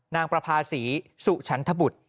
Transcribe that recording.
นางประพาศีสุฉันธบุตร